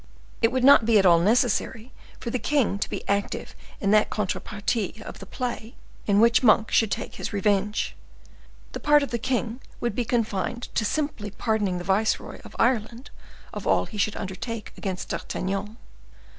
It would not be at all necessary for the king to be active in that contrepartie of the play in which Monk should take his revenge. The part of the king would be confined to simply pardoning the viceroy of Ireland all he should undertake against D'Artagnan.